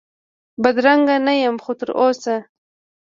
بدرنګه نه یم خو تراوسه،